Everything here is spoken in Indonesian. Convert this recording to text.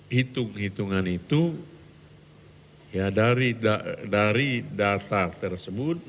hitung hitungan itu dari data tersebut